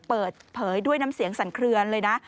เปิดเผยด้วยน้ำเสียงสั่นเคลือนเลยนะ